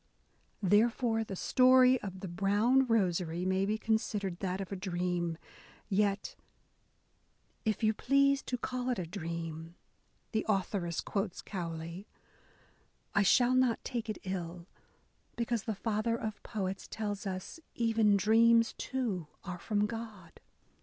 Therefore, the story of the Brown Rosary may be considered that of a dream ; yet If you please to call it a dream," the authoress quotes Cowley, I shall not take it ill, because the father of poets tells us, even dreams, too, are from God."